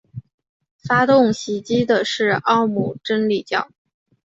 发动袭击的是奥姆真理教。